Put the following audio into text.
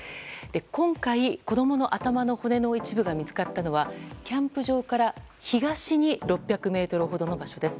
今回、子供の頭の骨の一部が見つかったのはキャンプ場から東に６００ｍほどの場所です。